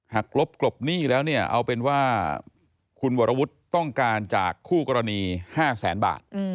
ลบกลบหนี้แล้วเนี่ยเอาเป็นว่าคุณวรวุฒิต้องการจากคู่กรณี๕แสนบาท